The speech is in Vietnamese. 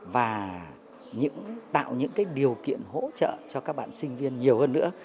và tạo những điều kiện hỗ trợ cho các bạn sinh viên nhiều hơn nữa